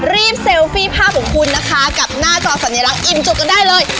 เซลฟี่ภาพของคุณนะคะกับหน้าจอสัญลักษณ์อิ่มจุกกันได้เลย